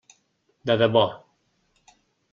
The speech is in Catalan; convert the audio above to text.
De debò.